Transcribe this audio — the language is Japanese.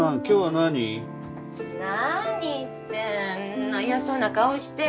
何ってそんな嫌そうな顔して。